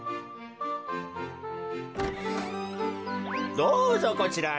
どうぞこちらへ。